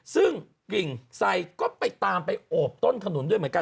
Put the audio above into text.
ซึ่งกลิ่นไซก็ไปตามไปโอบต้นขนุนด้วยเหมือนกัน